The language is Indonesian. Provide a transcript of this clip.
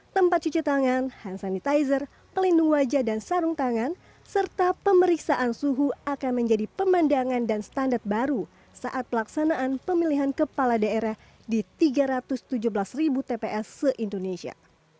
tempat cuci tangan hand sanitizer pelindung wajah dan sarung tangan serta pemeriksaan suhu akan menjadi pemandangan dan standar baru saat pelaksanaan pemilihan kepala daerah di tiga ratus tujuh belas tps se indonesia